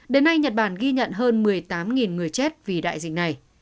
đến nay nhật bản ghi nhận hơn một mươi tám người chết vì đại dịch này